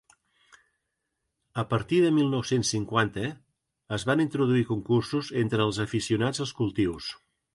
A partir de mil nou-cents cinquanta, es van introduir concursos entre els aficionats als cultius.